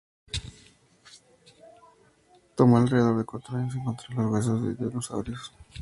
Tomó alrededor de cuatro años encontrar los huesos de los dinosaurios.